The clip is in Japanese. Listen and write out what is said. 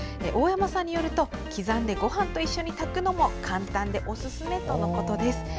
大山さんによると刻んでごはんと一緒に炊くのも簡単で、おすすめとのことです。